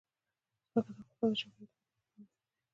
ځمکه د افغانستان د چاپیریال د مدیریت لپاره مهم دي.